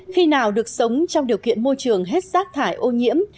khi nào được sống trong điều kiện môi trường hết rác thải ô nhiễm